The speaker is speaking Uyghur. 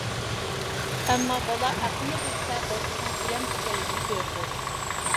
ئەمما بالا ئەقلىنى بىلسە دادىسىنىڭ تىلەمچى ئىكەنلىكىنى كۆرىدۇ.